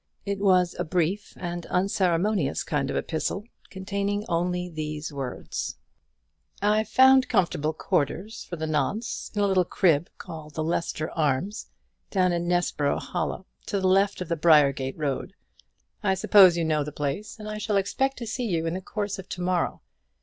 It was a very brief and unceremonious kind of epistle, containing only these words: "I've found comfortable quarters, for the nonce, in a little crib called the Leicester Arms, down in Nessborough Hollow, to the left of the Briargate Road. I suppose you know the place; and I shall expect to see you in the course of to morrow.